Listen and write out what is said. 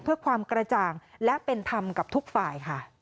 เพื่อความกระจ่างและเป็นธรรมกับทุกฝ่ายค่ะ